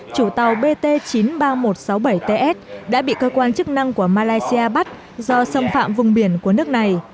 chủ tàu bt chín trăm ba mươi một sáu mươi bảy ts đã bị cơ quan chức năng của malaysia bắt do xâm phạm vùng biển của nước này